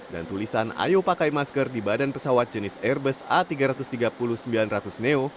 dan tulisan ayo pakai masker di badan pesawat jenis airbus a tiga ratus tiga puluh sembilan ratus neo